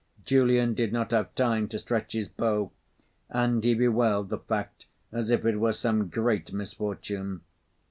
Julian did not have time to stretch his bow, and he bewailed the fact as if it were some great misfortune.